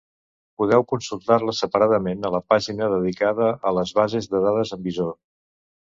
Podeu consultar-les separadament a la pàgina dedicada a les bases de dades amb visor.